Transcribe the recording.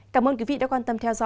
cảm ơn quý vị đã quan tâm theo dõi